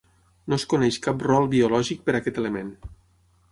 No es coneix cap rol biològic per aquest element.